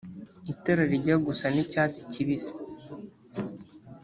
Itara rijya gusa n'icyatsi kibisi